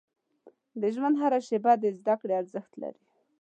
• د ژوند هره شیبه د زده کړې ارزښت لري.